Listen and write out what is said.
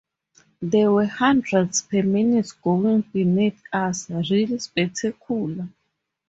There were hundreds per minute going beneath us, really spectacular!